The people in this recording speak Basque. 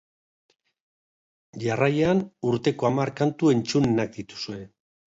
Jarraian, urteko hamar kantu entzunenak dituzue.